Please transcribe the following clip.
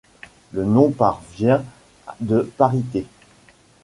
Le nom par vient de parité.